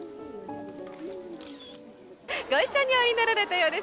ご一緒においでになられたようです。